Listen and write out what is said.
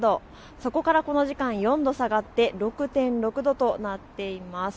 そこからこの時間４度下がって６．６度となっています。